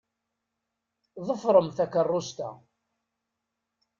Ḍefṛem takeṛṛust-a.